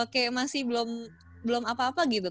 kayak masih belum apa apa gitu